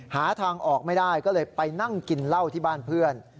หาทางออกไม่ได้ก็เลยไปนั่งกินเหล้าที่บ้านเพื่อน